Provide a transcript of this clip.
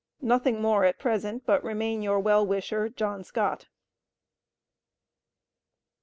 Nothing more at present but Remain your well wisher JOHN SCOTT.